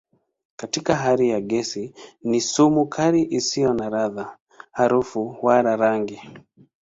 Katika hali ya gesi ni sumu kali isiyo na ladha, harufu wala rangi.